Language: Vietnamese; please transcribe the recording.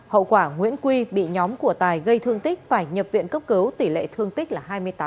hậu quả nguyễn quy bị nhóm của tài gây thương tích phải nhập viện cấp cứu tỷ lệ thương tích là hai mươi tám